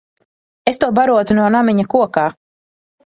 Es to barotu no namiņa kokā.